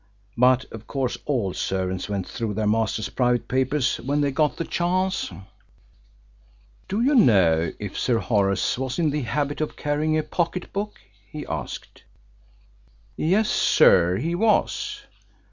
But of course all servants went through their masters' private papers when they got the chance. "Do you know if Sir Horace was in the habit of carrying a pocket book?" he asked. "Yes, sir; he was."